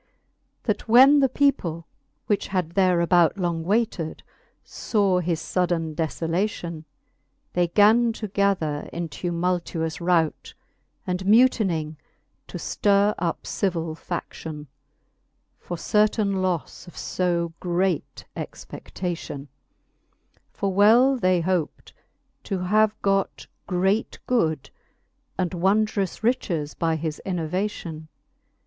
LI. That Canto ir. the Faerie ^eene, 33 LI. That when the people, which had there about Long wayted, faw his fudden defblation, They gan to gather in tumultuous rout, And mutining, to ftir up civill fadion, For certaine lofle of fb great expe6lation. For well they hoped to have got great good j And wondrous riches by his innovation.